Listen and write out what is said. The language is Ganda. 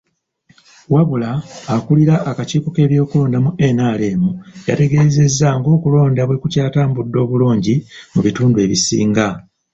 Wabula akulira akakiiko k'ebyokulonda mu NRM yategeezezza ng'okulonda bwe kukyatambudde obulungi mu bitundu ebisinga.